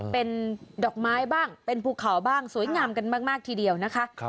เป็นดอกไม้บ้างเป็นภูเขาบ้างสวยงามกันมากทีเดียวนะคะ